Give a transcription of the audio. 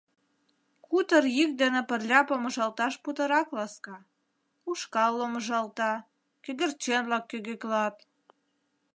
Кутыр йӱк дене пырля помыжалташ путырак ласка: ушкал ломыжалта, кӧгӧрчен-влак кӧгӧклат.